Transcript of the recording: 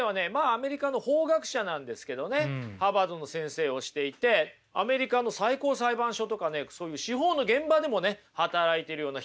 アメリカの法学者なんですけどねハーバードの先生をしていてアメリカの最高裁判所とかねそういう司法の現場でもね働いてるような人なんですよ。